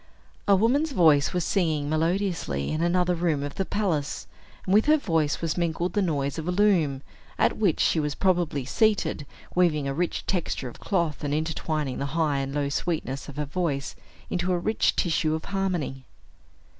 A woman's voice was singing melodiously in another room of the palace, and with her voice was mingled the noise of a loom, at which she was probably seated, weaving a rich texture of cloth, and intertwining the high and low sweetness of her voice into a rich tissue of harmony.